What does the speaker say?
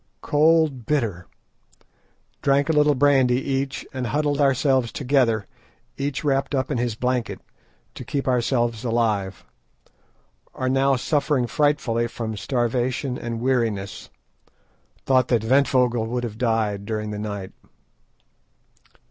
Cold bitter. Drank a little brandy each, and huddled ourselves together, each wrapped up in his blanket, to keep ourselves alive. Are now suffering frightfully from starvation and weariness. Thought that Ventvögel would have died during the night.